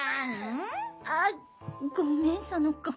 あっごめん園子。